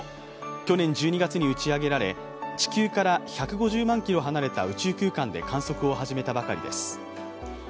去年１２月に打ちあげられ、地球から１５０万キロ離れた宇宙空間で観測を始めたばかりです。